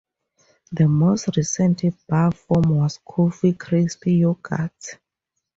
The most recent bar form was Coffee Crisp Yogurt.